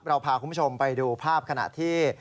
เราพาคุณผู้ชมไปดูภาพขณะที่